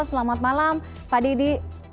selamat malam pak didi